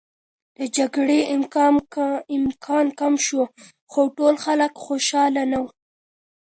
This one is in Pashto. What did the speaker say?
د جګړې امکان کم شو، خو ټول خلک خوشحاله نه و.